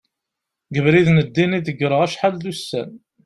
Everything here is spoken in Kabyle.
deg ubrid n ddin i ḍegreɣ acḥal d ussan